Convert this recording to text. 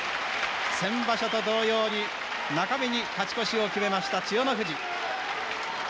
先場所と同様に中日に勝ち越しを決めました千代の富士。